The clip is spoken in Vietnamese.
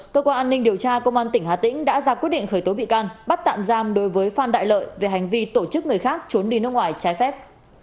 cơ quan an ninh điều tra công an tỉnh hà tĩnh đã ra quyết định khởi tố bị can bắt tạm giam đối với phan đại lợi về hành vi tổ chức người khác trốn đi nước ngoài trái phép